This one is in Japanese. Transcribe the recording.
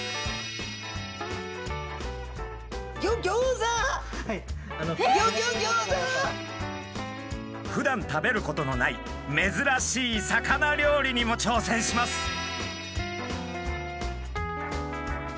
ギョギョギョーザ！ふだん食べることのない珍しい魚料理にも挑戦します。